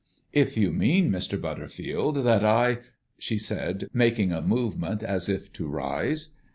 "If you mean, Mr. Butterfield, that I " she said, making a movement as if to rise.